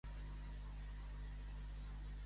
De què era déu?